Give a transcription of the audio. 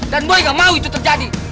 dan boy gak mau itu terjadi